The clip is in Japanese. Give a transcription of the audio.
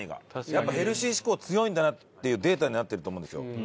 やっぱヘルシー志向強いんだなっていうデータになってると思うんですよ。